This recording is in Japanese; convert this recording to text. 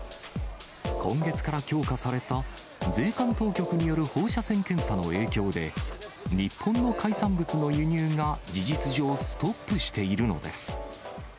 今月から強化された、税関当局による放射線検査の影響で、日本の海産物の輸入が事実上ストップしているのです。